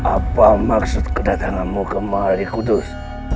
apa maksud kedatanganmu ke malikudus